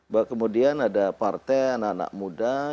bahwa kemudian ada partai anak anak muda